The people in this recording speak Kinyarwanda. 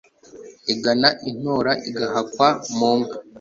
Igana i Ntora igahakwa mu nka.